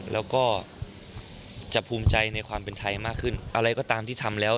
แล้วก็จะภูมิใจในความเป็นไทยมากขึ้นอะไรก็ตามที่ทำแล้ว